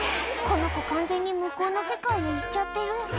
「この子完全に向こうの世界へ行っちゃってる」